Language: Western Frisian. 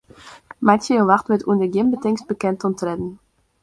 Meitsje jo wachtwurd ûnder gjin betingst bekend oan tredden.